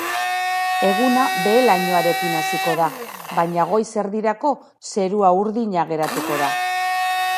Eguna behe-lainoarekin hasiko da, baina goiz erdirako zerua urdina geratuko da.